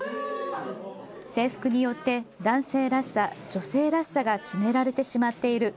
制服によって男性らしさ、女性らしさが決められてしまっている。